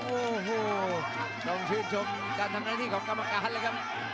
โอ้โหต้องชื่นชมการทำหน้าที่ของกรรมการเลยครับ